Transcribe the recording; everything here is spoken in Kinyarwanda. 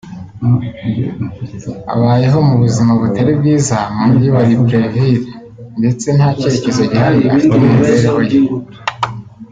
Abayeho mu buzima butari bwiza mu Mujyi wa Libreville ndetse nta cyerekezo gihamye afite mu mibereho ye